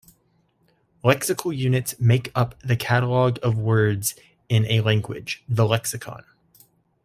Lexical units make up the catalogue of words in a language, the lexicon.